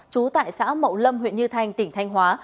trú tại xã mậu lâm huyện như thanh tỉnh thanh hóa